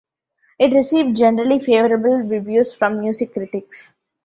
It received generally favorable reviews from music critics.